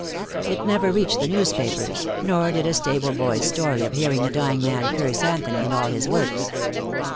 It never reached the newspapers, nor did a stable boy's story of hearing the dying man curse Anthony and all his works.